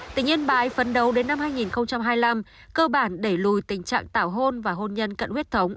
tỉnh yên bái phấn đấu đến năm hai nghìn hai mươi năm cơ bản đẩy lùi tình trạng tảo hôn và hôn nhân cận huyết thống